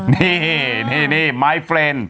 นี่นี่นี่นี่มายเฟรนด์